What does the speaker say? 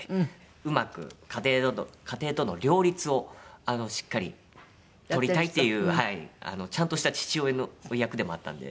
うまく家庭家庭との両立をしっかり取りたいっていうちゃんとした父親の役でもあったんで。